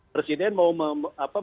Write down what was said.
presiden mau memasukkan